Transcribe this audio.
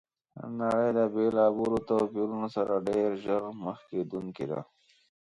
نړۍ د بېلابېلو توپیرونو سره ډېر ژر مخ کېدونکي ده!